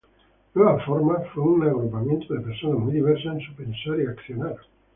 Nueva Forma fue un agrupamiento de personas muy diversas en su pensar y accionar.